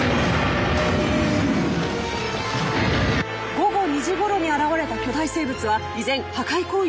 「午後２時ごろに現れた巨大生物は依然破壊行為を続けています。